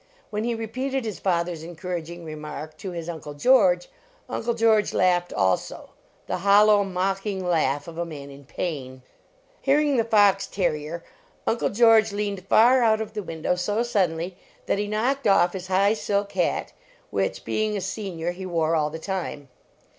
When he repeated his father s encouraging remark to his Uncle George, Uncle George laughed also, the hollow, mocking laugh of a man in pain. Hearing the fox terrier, Uncle George leaned far out of the window so suddenlyth.it he knocked off his high silk hat, which, being nior, he were all the time.